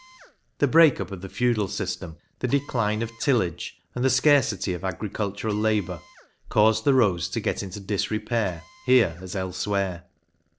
The break up of the feudal system, the decline of tillage, and the scarcity of agricultural labour, caused the roads to get into disrepair here as elsewhere.